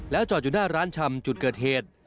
จอดอยู่หน้าร้านชำจุดเกิดเหตุ